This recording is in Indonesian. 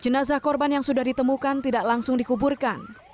jenazah korban yang sudah ditemukan tidak langsung dikuburkan